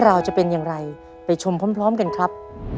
เราจะเป็นอย่างไรไปชมพร้อมกันครับ